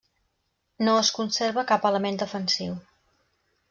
No es conserva cap element defensiu.